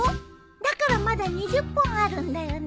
だからまだ２０本あるんだよね？